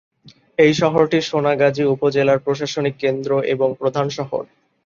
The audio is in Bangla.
এই শহরটি সোনাগাজী উপজেলার প্রশাসনিক কেন্দ্র এবং প্রধান শহর।